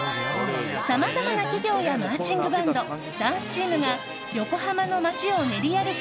さまざまな企業やマーチングバンドダンスチームが横浜の街を練り歩く